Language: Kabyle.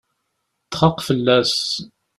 Txaq fell-as.